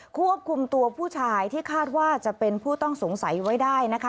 ควบคุมตัวผู้ชายที่คาดว่าจะเป็นผู้ต้องสงสัยไว้ได้นะคะ